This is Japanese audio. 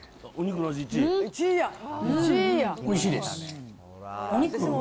おいしいです。